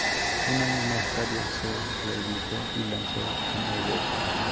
Un año más tarde se reeditó y lanzó en Europa.